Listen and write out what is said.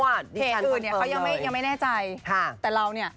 เพจอื่นเขายังไม่แน่ใจแต่เราเนี่ย